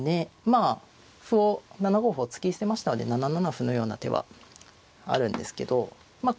まあ歩を７五歩を突き捨てましたので７七歩のような手はあるんですけどまあ